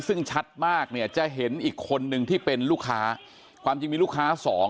ซึ่งชัดมากเนี่ยจะเห็นอีกคนนึงที่เป็นลูกค้าความจริงมีลูกค้าสอง